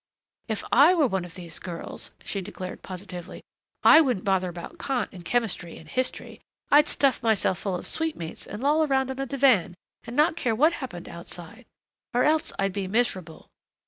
"If I were one of these girls," she declared positively, "I wouldn't bother about Kant and chemistry and history I'd stuff myself full of sweetmeats and loll around on a divan and not care what happened outside. Or else I'd be miserable."